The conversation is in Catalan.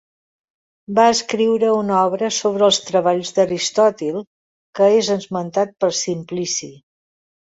Va escriure una obra sobre els treballs d'Aristòtil que és esmentat per Simplici.